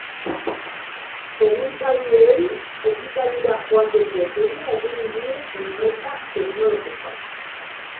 Komunikabideei ekitaldira joateko deia egin die enpresa teknologikoak.